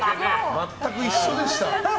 全く一緒でした。